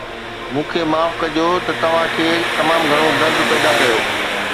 مون کي معاف ڪجو ته توهان کي تمام گهڻو درد پيدا ڪيو